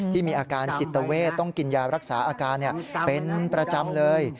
ที่มีอาการจิตเวทต้องกินยารักษาอาการเป็นประจำเลย